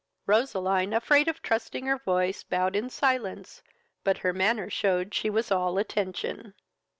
Roseline, afraid of trusting her voice, bowed in silence, but her manner shewed she was all attention.